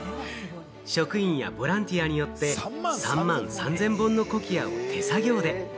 職員やボランティアによって、３万３０００本のコキアを手作業で。